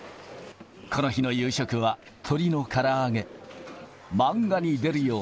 この日の夕食は鶏のから揚げ。